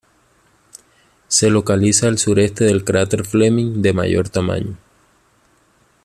Se localiza al sureste del cráter Fleming de mayor tamaño.